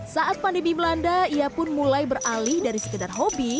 saat pandemi melanda ia pun mulai beralih dari sekedar hobi